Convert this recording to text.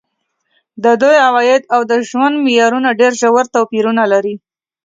د دوی عواید او د ژوند معیارونه ډېر ژور توپیرونه لري.